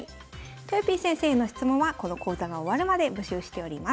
とよぴー先生の質問はこの講座が終わるまで募集しております。